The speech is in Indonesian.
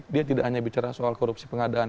dia tidak hanya bicara soal korupsi pengadaan